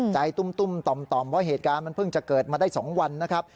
ตุ้มต่อมเพราะเหตุการณ์มันเพิ่งจะเกิดมาได้๒วันนะครับ